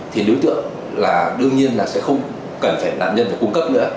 thì đối tượng là đương nhiên là sẽ không cần phải đoạn nhân để cung cấp nữa